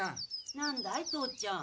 ・なんだい？父ちゃん。